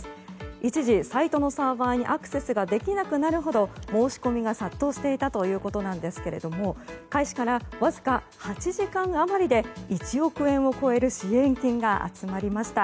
一時サイトのサーバーにアクセスができなくなるほど申し込みが殺到していたということですが開始からわずか８時間余りで１億円を超える支援金が集まりました。